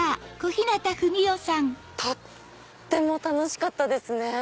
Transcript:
とっても楽しかったですね。